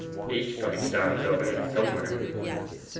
'Each bright star is overhead somewhere.